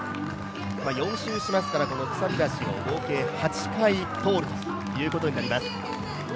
４周しますから、この鎖橋を合計８回通るということになります